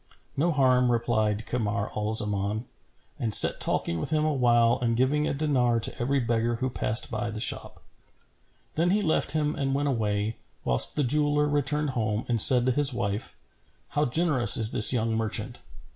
"No harm," replied Kamar al Zaman and sat talking with him awhile and giving a dinar to every beggar who passed by the shop. Then he left him and went away, whilst the jeweller returned home and said to his wife, 'How generous is this young merchant!